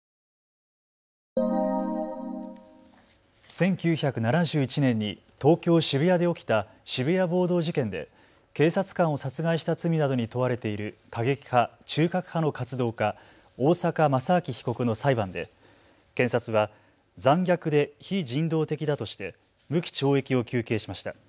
１９７１年に東京渋谷で起きた渋谷暴動事件で警察官を殺害した罪などに問われている過激派、中核派の活動家、大坂正明被告の裁判で検察は残虐で非人道的だとして無期懲役を求刑しました。